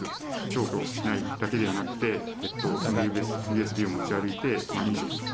消去しないだけではなくて、そのＵＳＢを持ち歩いて飲食と。